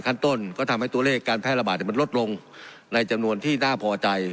ขั้นต้นก็ทำให้ตัวเลขการแพร่ระบาดมันลดลงในจำนวนที่น่าพอใจ